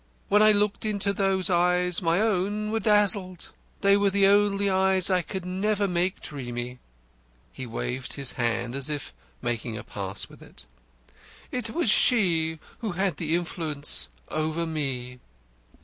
When I looked into those eyes my own were dazzled. They were the only eyes I could never make dreamy." He waved his hand as if making a pass with it. "It was she who had the influence over me."